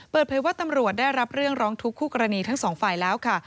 เปิดเผยว่าตำรวจได้รับเรื่องร้องทุกข์คู่กรณีทั้งสองฝ่ายแล้วค่ะ